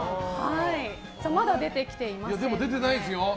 まだ出てきていません。